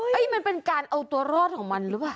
มันเป็นการเอาตัวรอดของมันหรือเปล่า